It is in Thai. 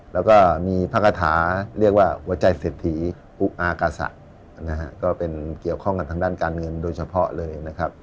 แล้วก็มีพระคาถาเรียกว่าหัวใจเศรษฐีอุอากาษะนะฮะก็เป็นเกี่ยวข้องกันทางด้านการเงินโดยเฉพาะเลยนะครับ